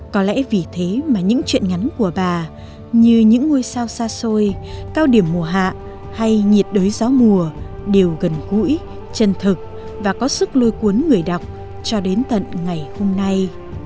có lẽ vì thế mà những chuyện ngắn của bà như những ngôi sao xa xôi cao điểm mùa hạ hay nhiệt đới gió mùa đều gần gũi chân thực và có sức lôi cuốn người đọc cho đến tận ngày hôm nay